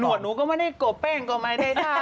หลวดหนูก็ไม่ได้กบแป้งกบไม้ได้ค่ะ